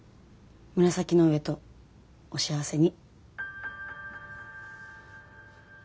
紫の上とお幸せに。